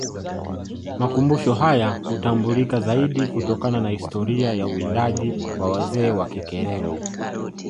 Makumbusho hayahutambulika zaidi kutokana na historia ya uwindaji wa wazee wa Kikerewe